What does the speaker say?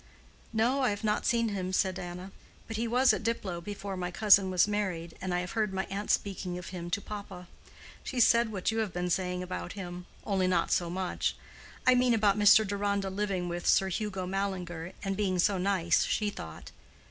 "No, I have not seen him," said Anna; "but he was at Diplow before my cousin was married, and I have heard my aunt speaking of him to papa. She said what you have been saying about him—only not so much: I mean, about Mr. Deronda living with Sir Hugo Mallinger, and being so nice, she thought.